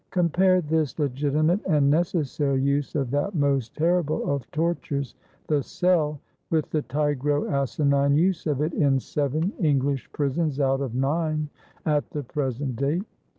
Compare this legitimate and necessary use of that most terrible of tortures, the cell, with the tigro asinine use of it in seven English prisons out of nine at the present date.